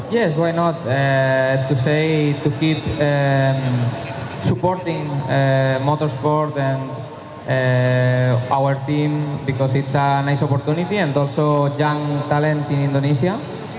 ya kenapa tidak untuk mengembangkan motorsport dan tim kita karena ini adalah kesempatan yang bagus dan juga talenta muda di indonesia